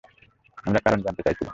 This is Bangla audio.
আমরা কারণ জানতে চায়ছিলাম।